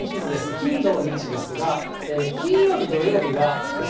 金、土、日ですが、金曜日、土曜日は。